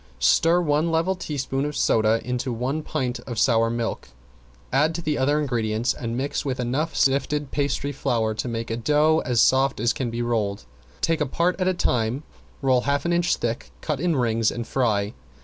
Stir one level teaspoon of soda into one pint of sour milk, add to the other ingredients and mix with enough sifted pastry flour to make a dough as soft as can be rolled. Take a part at a time, roll half an inch thick, cut in rings and fry.